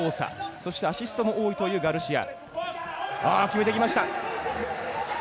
そしてアシストも多いというガルシア。